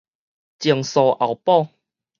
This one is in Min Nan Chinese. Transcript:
前數後補